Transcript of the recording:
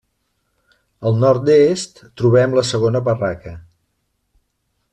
Al nord-est trobem la segona barraca.